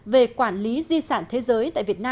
về quản lý di sản thế giới